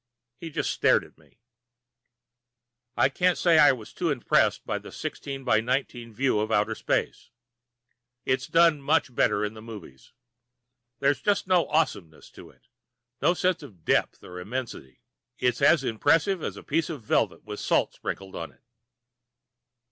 He just stared at me. I can't say I was too impressed with that 16 x 19 view of outer space. It's been done much better in the movies. There's just no awesomeness to it, no sense of depth or immensity. It's as impressive as a piece of velvet with salt sprinkled on it.